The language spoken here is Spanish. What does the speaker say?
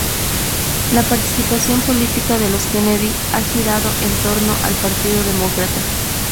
La participación política de los Kennedy ha girado en torno al Partido Demócrata.